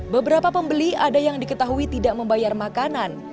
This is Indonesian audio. beberapa pembeli ada yang diketahui tidak membayar makanan